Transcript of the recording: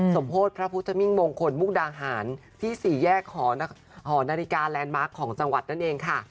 โพธิพระพุทธมิ่งมงคลมุกดาหารที่สี่แยกหอนาฬิกาแลนดมาร์คของจังหวัดนั่นเองค่ะ